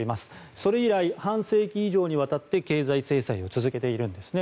それ以来、半世紀以上にわたって経済制裁を続けているんですね。